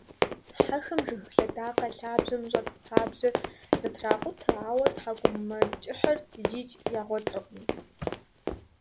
Хьэхэм жыг лъэдакъэ лъабжьэм щӀэт пабжьэр зэтракъутэ, ауэ тхьэкӀумэкӀыхьыр зикӀ ягъуэтыркъым.